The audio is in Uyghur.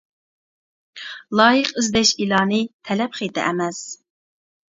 لايىق ئىزدەش ئېلانى تەلەپ خېتى ئەمەس.